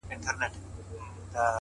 • الاهو دي نازولي دي غوږونه؟,!